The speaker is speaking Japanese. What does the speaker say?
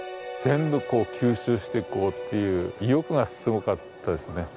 全部吸収していこうっていう意欲がすごかったですね。